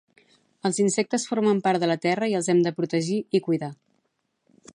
Els insectes formen part de la terra i els hem de protegir i cuidar